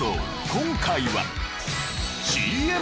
今回は。